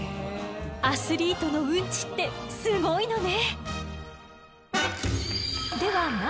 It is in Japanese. アスリートのウンチってすごいのね！